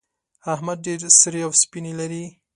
احمد ډېر سرې او سپينې لري.